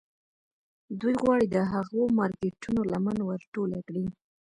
دوی غواړي د هغو مارکيټونو لمن ور ټوله کړي.